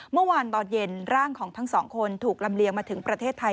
เมื่อวานตอนเย็นร่างของทั้งสองคนถูกลำเลียงมาถึงประเทศไทย